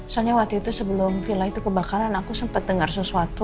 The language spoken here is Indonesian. soalnya waktu itu sebelum villa itu kebakaran aku sempat dengar sesuatu